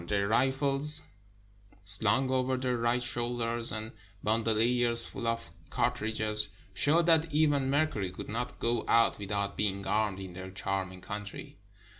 Their rifles, slung over their right shoul ders, and bandoliers full of cartridges, showed that even Mercury could not go out without being armed in their "charming" country.